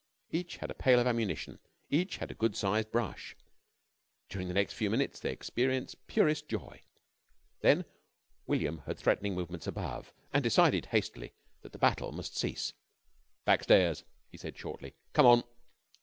Each had a pail of ammunition. Each had a good sized brush. During the next few minutes they experienced purest joy. Then William heard threatening movements above, and decided hastily that the battle must cease. "Backstairs," he said shortly. "Come on."